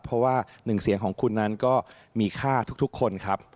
เพราะว่าหนึ่งเสียงของคุณนั้นก็มีค่าทุกคนครับ